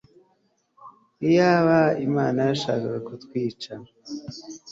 iyaba imana yashakaga kutwica